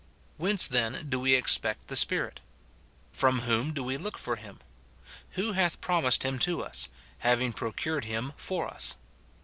Whence, then, do we expect the Spirit? from whom do we look for him ? who hath promised him to us, having procured him for us